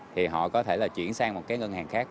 thì họ có thể chuyển sang một ngân hàng khác